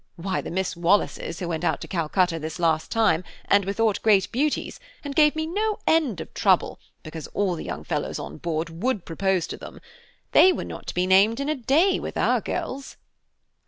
Why, the Miss Wallaces, who went out to Calcutta this last time, and were thought great beauties, and gave me no end of trouble because all the young fellows on board would propose to them–they were not to be named in a day with our girls."